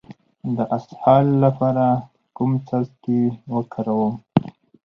د اسهال لپاره کوم څاڅکي وکاروم؟